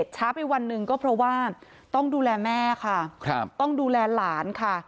ช้าไปวันหนึ่งก็เพราะว่าต้องดูแลแม่ค่ะต้องดูแลหลานค่ะ